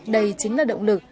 đây chính là động lực